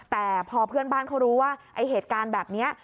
แต่พอเพื่อนบ้านเขารู้ว่าไอ้เหตุการณ์แบบนี้